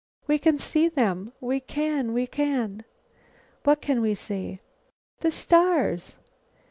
We can see them! We can! We can!" "What can we see?" asked Marian. "The stars!"